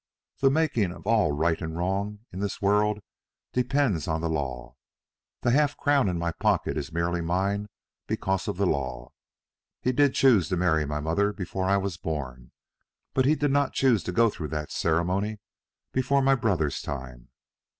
The making of all right and wrong in this world depends on the law. The half crown in my pocket is merely mine because of the law. He did choose to marry my mother before I was born, but did not choose to go through that ceremony before my brother's time.